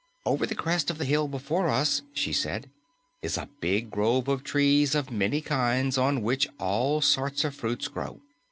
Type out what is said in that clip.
"Over the crest of the hill before us," she said, "is a big grove of trees of many kinds on which all sorts of fruits grow.